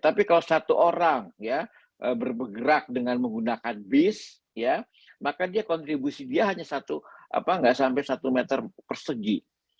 tapi kalau satu orang ya bergerak dengan menggunakan bis maka dia kontribusi dia hanya satu nggak sampai satu meter persegi